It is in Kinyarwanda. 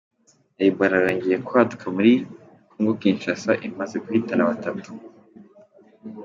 Ebola yongeye kwaduka muri Congo Kinshasa, imaze guhitana batatu.